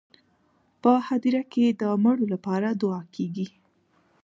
په هدیره کې د مړو لپاره دعا کیږي.